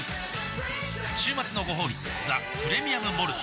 週末のごほうび「ザ・プレミアム・モルツ」